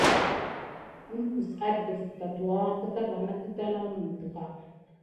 Əɓes adəf tatwaha qn kiso va bana tumpay nok akukume milimuya.